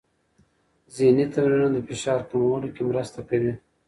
ذهني تمرینونه د فشار کمولو کې مرسته کوي.